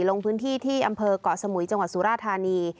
ลงพื้นที่ที่อำเภอกเกาะสมุยจังหวัดสุราธานี